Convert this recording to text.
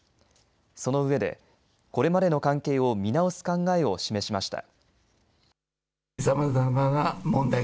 そのうえでこれまでの関係を見直す考えを示しました。